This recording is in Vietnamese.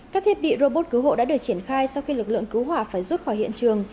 các thiết bị robot cứu hộ đã được triển khai sau khi lực lượng cứu hỏa phải rút khỏi hiện trường